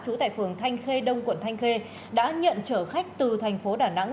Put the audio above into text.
trú tại phường thanh khê đông quận thanh khê đã nhận trở khách từ thành phố đà nẵng